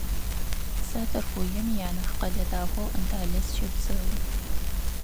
Сэ Тыркуем ианахь къэлэ дахэу Анталие сыщэпсэу.